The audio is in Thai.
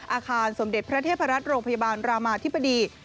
อาคารสมเด็จพระเทพรัฐโรงพยาบาลรามาธิบดี